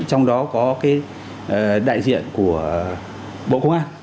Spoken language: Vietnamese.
trong đó có cái đại diện của bộ công an